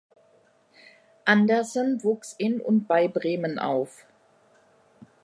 Andersen wuchs in und bei Bremen auf.